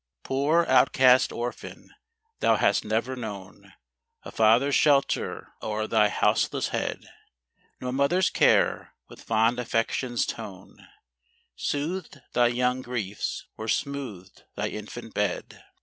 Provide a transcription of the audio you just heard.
% Poor outcast orphan, thou hast never known A father's shelter o'er thy houseless head ; No mother's care, with fond affection's tone, Soothed thy young griefs, or smoothed thy infant bed.